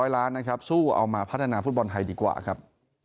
ล้านนะครับสู้เอามาพัฒนาฟุตบอลไทยดีกว่าครับ